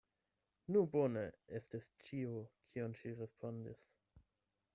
Nu bone! estis ĉio, kion ŝi respondis.